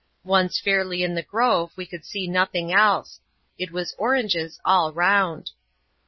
Once fairly in the grove, we could see nothing else : it was oranges all round.